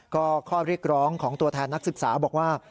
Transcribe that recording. ก็ข้อเรียกร้องของตัวแทนนักศึกษาบอกว่า